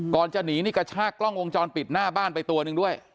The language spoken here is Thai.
ก่อนจะหนีนี่กระชากกล้องวงจรปิดหน้าบ้านไปตัวหนึ่งด้วย